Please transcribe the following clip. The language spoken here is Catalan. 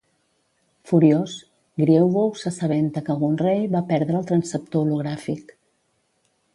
Furiós, Grievous s'assabenta que Gunray va perdre el transceptor hologràfic.